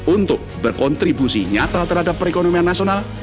untuk berkontribusi nyata terhadap perekonomian nasional